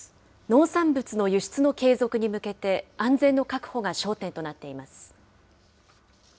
農産物の輸出の継続に向けて、安全の確保が焦点となっています。